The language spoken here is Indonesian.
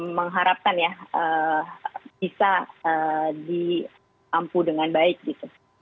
mengharapkan ya bisa diampu dengan baik gitu